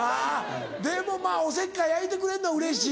でもまぁおせっかい焼いてくれるのはうれしい。